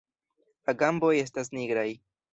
La gamboj estas nigraj.